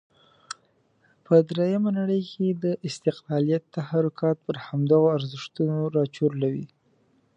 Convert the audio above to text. په درېمه نړۍ کې د استقلالیت تحرکات پر همدغو ارزښتونو راچورلوي.